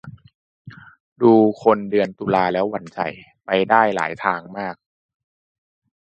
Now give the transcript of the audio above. ดูคนเดือนตุลาแล้วหวั่นใจ ไปได้หลายทางมาก